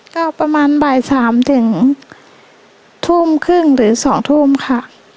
ก็ประมาณบ่าย๓ถึงทุ่มครึ่งหรือ๒ทุ่มค่ะ